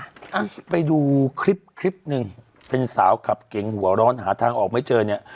อ่ะไปดูคลิปคลิปหนึ่งเป็นสาวขับเก๋งหัวร้อนหาทางออกไม่เจอเนี่ย